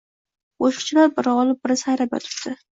Qoʻshiqchilar biri olib, biri sayrab yotibdi.